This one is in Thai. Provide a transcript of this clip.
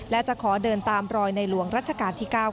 และจะขอเดินตามรอยในหลวงรัชกาลที่๙